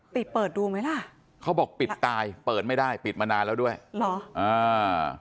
เปิดดูไหมล่ะเขาบอกปิดตายเปิดไม่ได้ปิดมานานแล้วด้วยเหรออ่า